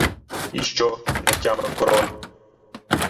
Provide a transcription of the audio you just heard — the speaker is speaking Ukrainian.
— І що? — не втямив король.